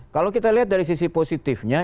kalau kita lihat dari sisi positifnya